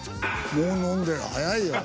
もう飲んでる早いよ。